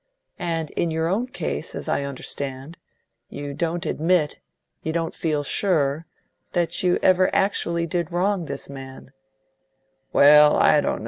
And in your own case, as I understand, you don't admit you don't feel sure that you ever actually did wrong this man " "Well, no; I don't.